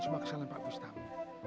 semua kesalahan pak bustami